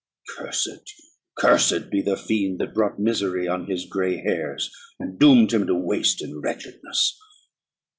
Cursed, cursed be the fiend that brought misery on his grey hairs, and doomed him to waste in wretchedness!